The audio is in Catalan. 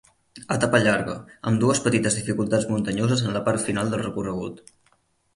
Etapa llarga, amb dues petites dificultats muntanyoses en la part final del recorregut.